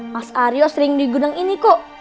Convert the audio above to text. mas aryo sering di gudang ini kok